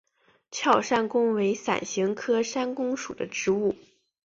鞘山芎为伞形科山芎属的植物。